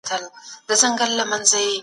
خو ناممکن هم نه دي.